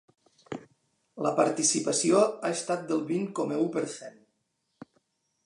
La participació ha estat del vint coma u per cent.